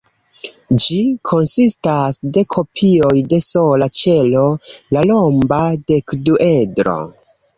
Ĝi konsistas de kopioj de sola ĉelo, la romba dekduedro.